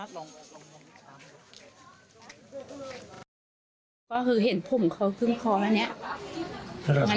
ก็คือเห็นพุ่มเขา